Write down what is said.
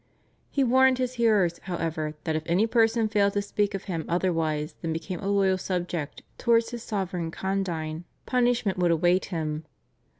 He warned his hearers, however, that if any person failed to speak of him otherwise than became a loyal subject towards his sovereign condign punishment would await him.